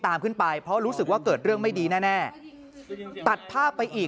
ตามขึ้นไปเพราะรู้สึกว่าเกิดเรื่องไม่ดีแน่แน่ตัดภาพไปอีก